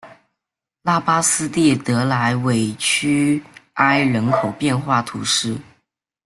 拉巴斯蒂德莱韦屈埃人口变化图示